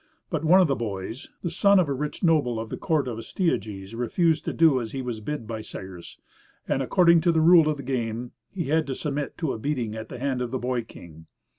But one of the boys, the son of a rich noble of the court of Astyages, refused to do as he was bid by Cyrus, and according to the rule of the game, he had to submit to a beating at the hand of the boy king.